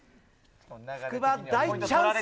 福場、大チャンス！